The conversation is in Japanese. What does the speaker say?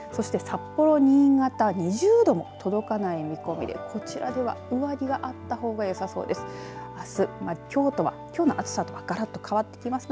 そして札幌、新潟２０度も届かない見込みでこちらでは上着があったほうがよさそうです。